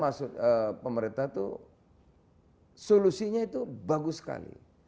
memang sekarang pemerintah tuh solusinya itu bagus sekali